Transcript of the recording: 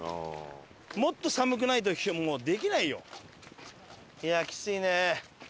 もっと寒くないともうできないよ。